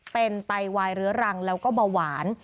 เป็นไตวายเรื้อรังแล้วก็เบาหวาน